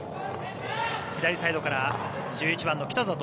左サイドから１１番の北里。